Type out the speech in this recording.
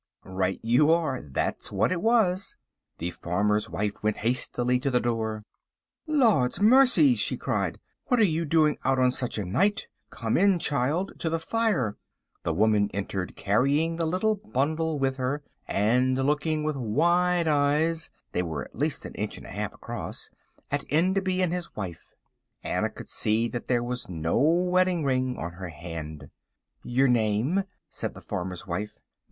Right you are. That's what it was. The farmer's wife went hastily to the door. "Lord's mercy!" she cried, "what are you doing out on such a night? Come in, child, to the fire!" The woman entered, carrying the little bundle with her, and looking with wide eyes (they were at least an inch and a half across) at Enderby and his wife. Anna could see that there was no wedding ring on her hand. "Your name?" said the farmer's wife.